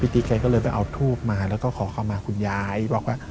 ติ๊กแกก็เลยไปเอาทูบมาแล้วก็ขอเข้ามาคุณยายบอกว่า